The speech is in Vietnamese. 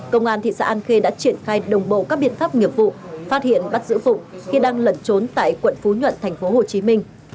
công an thị xã an khê đã triển khai đồng bộ các biện pháp nghiệp vụ phát hiện bắt giữ phụng khi đang lẩn trốn tại quận phú nhuận tp hcm